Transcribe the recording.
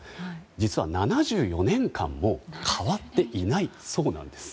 実は７４年間も変わっていないそうなんです。